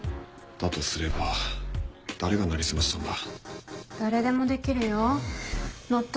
だとすれば誰が成り済ましたんだ？